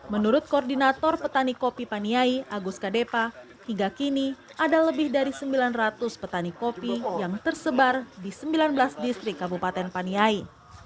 menurut koordinator petani kopi paniai agus kadepa hingga kini ada lebih dari sembilan ratus petani kopi yang tersebar di sembilan belas distrik kabupaten paniai